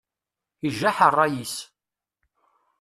Ijaḥ ṛṛay-is.